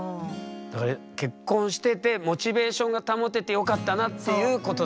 結婚しててモチベーションが保ててよかったなっていうことだ。